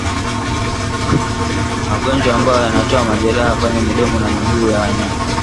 Magonjwa ambayo yanatoa majeraha kwenye midomo na miguu ya wanyama